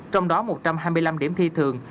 trong đó một trăm hai mươi năm điểm thi thường